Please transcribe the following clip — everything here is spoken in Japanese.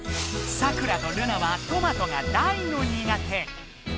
サクラとルナはトマトが大の苦手。